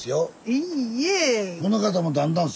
いいえ。ね？